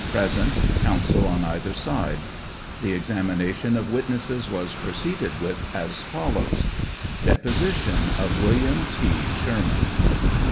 Present, Counsel on either side. The examination of witnesses was proceeded with, as follows: Deposition of Wm. T. Sherman.